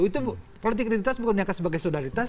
itu politik identitas bukan dianggap sebagai solidaritas